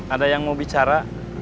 ada yang mau bicara